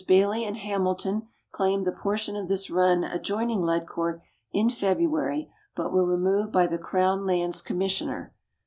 Baillie and Hamilton claimed the portion of this run adjoining Ledcourt, in February, but were removed by the Crown Lands Commissioner.